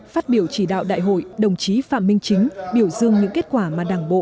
phát biểu chỉ đạo đại hội đồng chí phạm minh chính biểu dương những kết quả mà đảng bộ